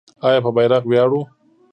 آیا په بیرغ ویاړو؟